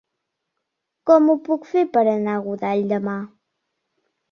Com ho puc fer per anar a Godall demà?